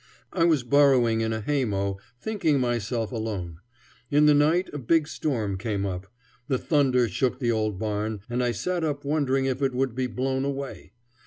I was burrowing in a haymow, thinking myself alone. In the night a big storm came up. The thunder shook the old barn, and I sat up wondering if it would be blown away.